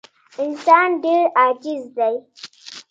انسان ډېر عاجز دی.